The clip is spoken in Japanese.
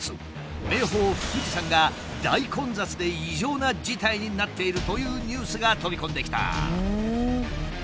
名峰富士山が大混雑で異常な事態になっているというニュースが飛び込んできた。